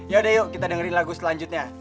yaudah yuk kita dengerin lagu selanjutnya